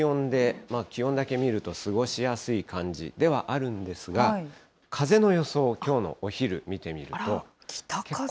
晴れてこの気温で、気温だけ見ると過ごしやすい感じではあるんですが、風の予想、きょうのお昼、見てみると。